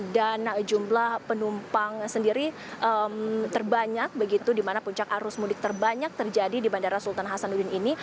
dan jumlah penumpang sendiri terbanyak di mana puncak arus mudik terbanyak terjadi di bandara sultan hasanuddin ini